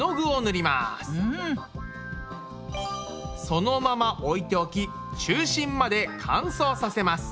そのまま置いておき中心まで乾燥させます。